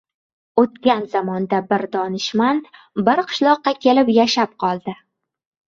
Oʻtgan zamonda bir donishmand bir qishloqqa kelib yashab qoldi.